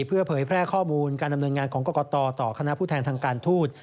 เพื่อเผยแพร่ข้อมูลการดำเนินงานของกรกตต่อคณะผู้แทนทางการทูต